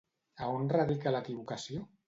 A on radica l'equivocació?